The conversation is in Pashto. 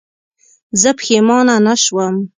زه پښېمانه نه شوم.